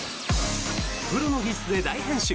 プロの技術で大変身